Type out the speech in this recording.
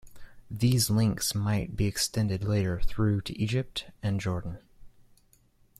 These links might be extended later through to Egypt and Jordan.